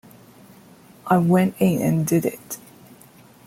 I went in and did it.